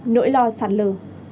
nỗi lo sạt lở